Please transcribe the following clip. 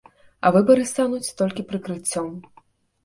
А выбары стануць толькі прыкрыццём.